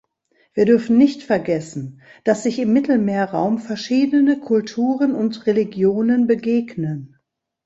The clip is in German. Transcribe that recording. Wir dürfen nicht vergessen, dass sich im Mittelmeerraum verschiedene Kulturen und Religionen begegnen.